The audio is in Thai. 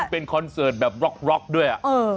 เป็นคอนเสิร์ตแบบบล็อกด้วย